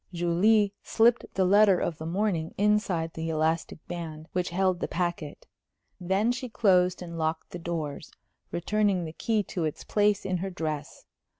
Julie slipped the letter of the morning inside the elastic band which held the packet; then she closed and locked the doors, returning the key to its place in her dress.